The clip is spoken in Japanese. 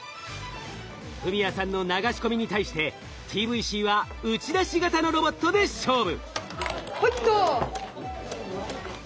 史哉さんの流し込みに対してＴＶＣは打ち出し型のロボットで勝負。